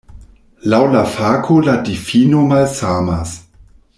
Laŭ la fako la difino malsamas.